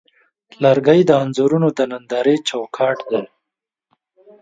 لرګی د انځورونو د نندارې چوکاټ دی.